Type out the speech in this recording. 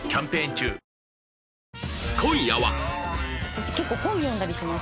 私結構本読んだりします。